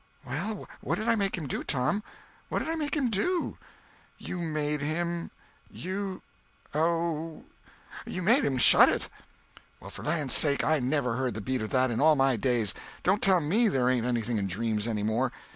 Well? What did I make him do, Tom? What did I make him do?" "You made him—you—Oh, you made him shut it." "Well, for the land's sake! I never heard the beat of that in all my days! Don't tell me there ain't anything in dreams, any more.